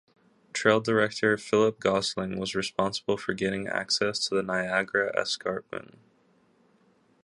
Trail Director Philip Gosling was responsible for gaining access to the Niagara Escarpment.